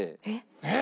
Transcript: えっ！？